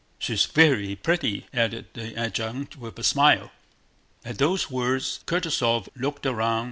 She's very pretty," added the adjutant with a smile. At those words Kutúzov looked round.